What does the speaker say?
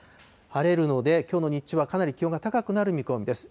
晴れるのできょうの日中はかなり気温が高くなる見込みです。